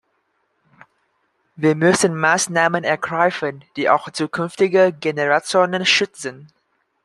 Wir müssen Maßnahmen ergreifen, die auch zukünftige Generationen schützen.